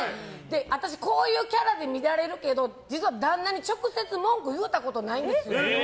私、こういうキャラで見られるけど、実は旦那に直接文句言ったことないんですよ。